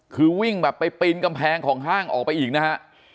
คือวิ่งแบบไปปีนกำแพงของห้างออกไปอีกนะฮะ